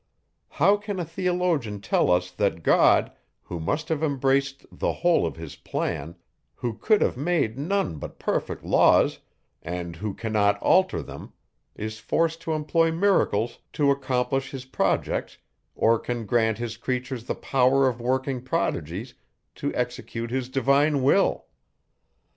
How can a theologian tell us, that God, who must have embraced the whole of his plan, who could have made none but perfect laws, and who cannot alter them, is forced to employ miracles to accomplish his projects, or can grant his creatures the power of working prodigies to execute his divine will?